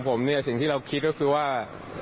ผมคิดว่าในมุมของผมสิ่งที่เราคิดก็คือว่า